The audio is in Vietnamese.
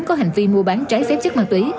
có hành vi mua bán trái phép chất ma túy